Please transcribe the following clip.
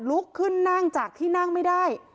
ลุกขึ้นนั่งจากที่นั่งไม่ได้